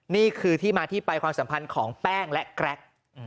นี่คือที่มาที่ไปความสัมพันธ์ของแป้งและแกรก